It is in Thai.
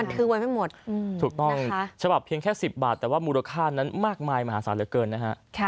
ถูกต้องฉบับเพียงแค่๑๐บาทแต่ว่ามูลค่านั้นมากมายมหาศาลเหลือเกินนะครับ